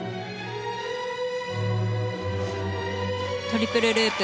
トリプルループ。